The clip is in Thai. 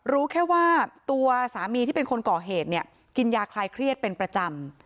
รู้แค่ว่าตัวสามีที่เป็นคนก่อเหตุเนี่ยกินยาคลายเครียดเป็นประจำ